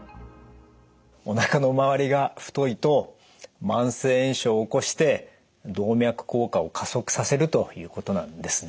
おなかの回りが太いと慢性炎症を起こして動脈硬化を加速させるということなんですね。